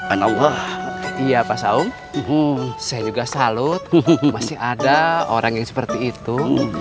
anak buah iya pak saung saya juga salut masih ada orang yang seperti itu